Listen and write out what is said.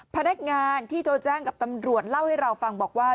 พนักงานที่โทรแจ้งกับตำรวจเล่าให้เราฟังบอกว่า